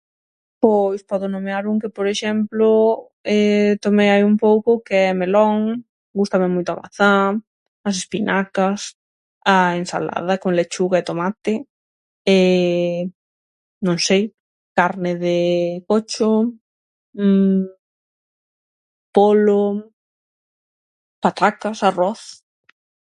Pois podo nomear un que, por exemplo, tomei hai un pouco que é melón, gústame moito a mazá, as espinacas, a ensalada con lechuga e tomate, non sei, carne de pocho, polo, patacas, arroz.